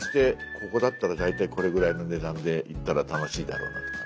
ここだったら大体これぐらいの値段で行ったら楽しいだろうなとかね。